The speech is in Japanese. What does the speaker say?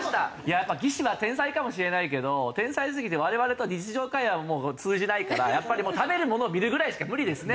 やっぱ棋士は天才かもしれないけど天才すぎて我々と日常会話ももう通じないからやっぱりもう食べるものを見るぐらいしか無理ですね。